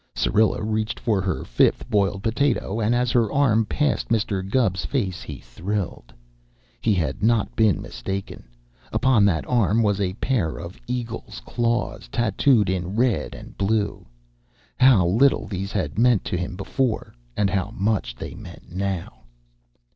Syrilla reached for her fifth boiled potato, and as her arm passed Mr. Gubb's face he thrilled. He had not been mistaken. Upon that arm was a pair of eagle's claws, tattooed in red and blue! How little these had meant to him before, and how much they meant now!